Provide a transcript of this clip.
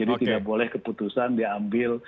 jadi tidak boleh keputusan diambil